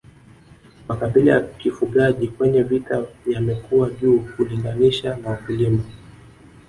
Makabila ya kifugaji kwenye vita yamekuwa juu kulinganisha na wakulima